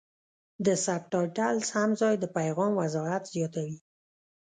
د سبټایټل سم ځای د پیغام وضاحت زیاتوي.